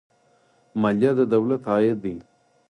مالیه د دولت عاید دی